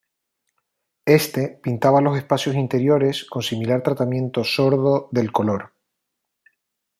Éste pintaba los espacios interiores con similar tratamiento "sordo" del color.